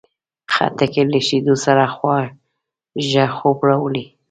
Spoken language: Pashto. خټکی له شیدو سره خواږه خوب راولي.